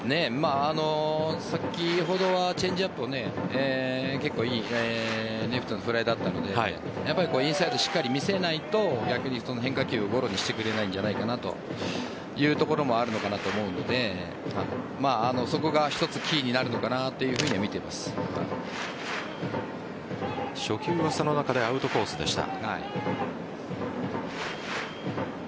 先ほどはチェンジアップを結構いいレフトのフライだったのでインサイドをしっかり見せないと逆に変化球をゴロにしてくれないんじゃないかなというところもあるのかなと思うのでそこが一つキ−になるのかなというふうには初球はその中でアウトコースでした。